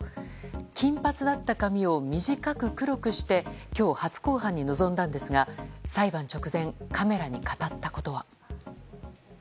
金髪だった髪を短く黒くして今日、初公判に臨んだんですが裁判直前、カメラに語ったことは。